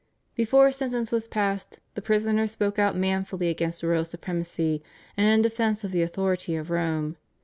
Before sentence was passed the prisoner spoke out manfully against royal supremacy, and in defence of the authority of Rome.